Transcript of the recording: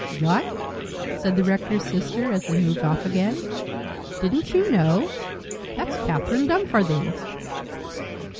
"What!" said the rector's sister, as they moved off again, "didn't you know? That's Catherine Dumfarthing!"